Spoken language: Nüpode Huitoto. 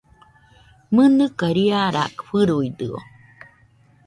¿Mɨnɨka riara fɨruidɨo?